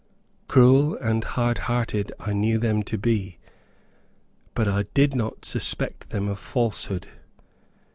Cruel and hard hearted, I knew them to be, but I did not suspect them of falsehood.